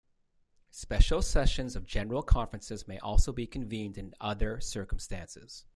Special sessions of General Conferences may also be convened in other circumstances.